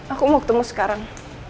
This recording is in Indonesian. aku mau ketemu sekarang